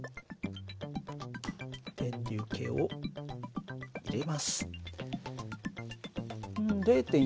電流計を入れます。